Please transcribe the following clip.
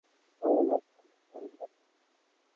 কমলার মনের মধ্যে একটা আন্দোলন উপস্থিত হইল।